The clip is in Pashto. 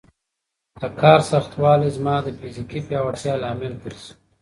د کار سختوالی زما د فزیکي پیاوړتیا لامل ګرځي.